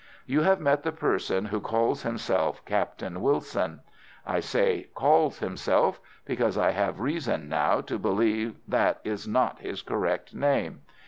"You have met the person who calls himself Captain Wilson. I say 'calls himself' because I have reason now to believe that it is not his correct name.